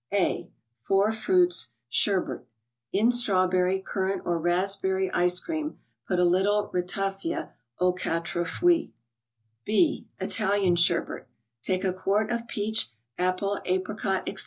A .—FOUR FRUITS SHERBET. In strawberry, currant, or raspberry ice cream, put a little Ratafia aux quatre fruits . ICED BEVERAGES. 73 B .—ITALIAN SHERBET. Take a quart of peach, apple, apricot, etc.